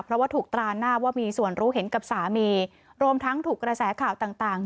เพราะว่าถูกตราหน้าว่ามีส่วนรู้เห็นกับสามีรวมทั้งถูกกระแสข่าวต่าง